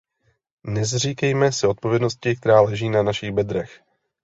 Nezříkejme se odpovědnosti, která leží na našich bedrech.